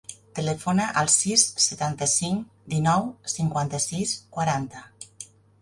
Telefona al sis, setanta-cinc, dinou, cinquanta-sis, quaranta.